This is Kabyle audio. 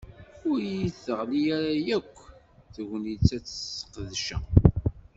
Ur yi-d-teɣli ara yakk tegnit ad t-ssqedceɣ.